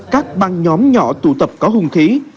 các băng nhóm nhỏ tụ tập có hung khí